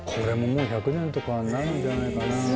１００年とかになるんじゃないかな。